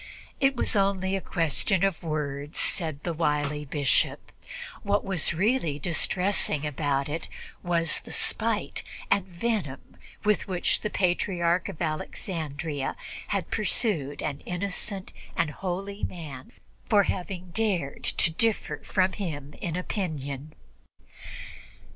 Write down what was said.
It was only a question of words, said the wily Bishop; what was really distressing about it was the spite and the venom with which the Patriarch of Alexandria had pursued an innocent and holy man for having dared to differ from him in opinion.